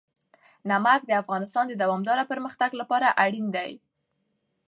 نمک د افغانستان د دوامداره پرمختګ لپاره اړین دي.